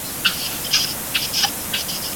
د خیرخانې کوتل لاره تل په ترافیکو بنده وي.